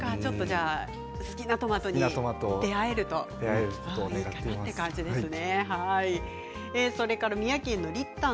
好きなトマトに出会えるとということですね。